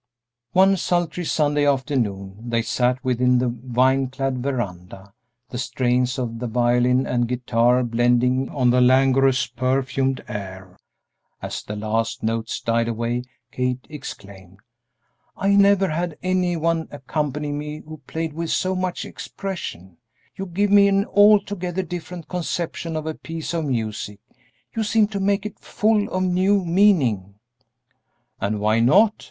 One sultry Sunday afternoon they sat within the vine clad veranda, the strains of the violin and guitar blending on the languorous, perfumed air. As the last notes died away Kate exclaimed, "I never had any one accompany me who played with so much expression. You give me an altogether different conception of a piece of music; you seem to make it full of new meaning." "And why not?"